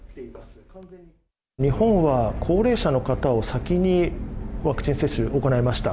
日本は高齢者の方を先にワクチン接種行いました。